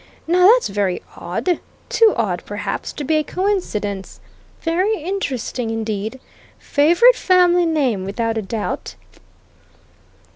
Now, that's very odd too odd, perhaps, to be a coincidence. Very interesting, indeed! Favourite family name without a doubt."